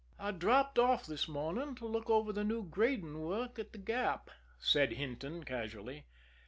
"I dropped off this morning to look over the new grading work at The Gap," said Hinton casually.